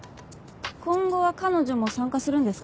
今後は彼女も参加するんですか？